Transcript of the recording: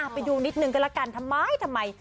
ไปดูนิดนึงก็ละกันทำไมทำไม